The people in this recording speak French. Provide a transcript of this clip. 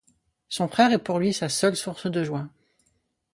Son frère est pour lui sa seule source de joie.